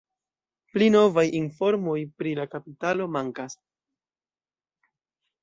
Pli novaj informoj pri la kapitalo mankas.